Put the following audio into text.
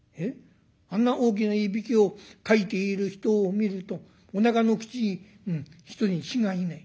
あんな大きないびきをかいている人を見るとおなかのくちい人に違いない。